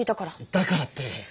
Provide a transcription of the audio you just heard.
だからって。